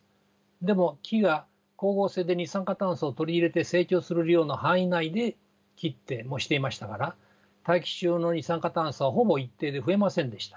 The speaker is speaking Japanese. でも木が光合成で二酸化炭素を取り入れて成長する量の範囲内で切って燃していましたから大気中の二酸化炭素はほぼ一定で増えませんでした。